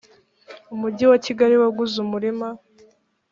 umujyi wa kigali waguze umurima